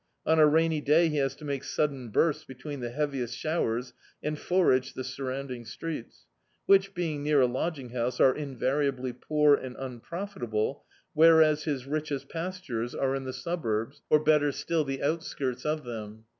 On a rainy day he has to make sudden bursts between the heaviest showers and forage the surrounding streets, which, being near a lod^ng house, are invariably poor and improfitable, whereas his richest pastures are In the D,i.,.db, Google The Autobiography of a Super Tramp suburbs or better still the outskirts of them.